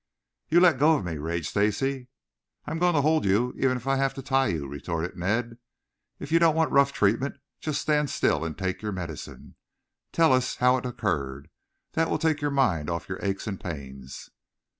"You let go of me," raged Stacy. "I am going to hold you, even if I have to tie you," retorted Ned. "If you don't want rough treatment just stand still and take your medicine. Tell us how it occurred. That will take your mind from your aches and pains."